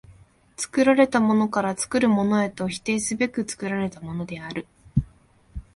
作られたものから作るものへと否定すべく作られたものである。